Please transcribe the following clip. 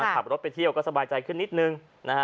ขับรถไปเที่ยวก็สบายใจขึ้นนิดนึง